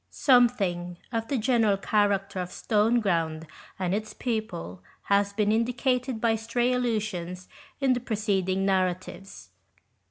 Something of the general character of Stoneground and its people has been indicated by stray allusions in the preceding narratives.